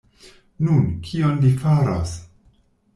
Nun, kion li faros?